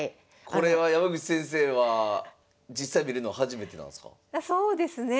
これは山口先生は実際見るの初めてなんすか？